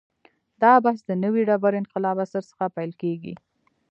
دا بحث د نوې ډبرې انقلاب عصر څخه پیل کېږي.